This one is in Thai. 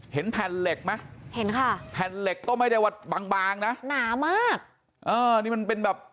เห็นแผ่นเหล็กไหมแผ่นเหล็กเป็นไว้ด้วยว่าบางนะนามากนี่มันเป็นแบบ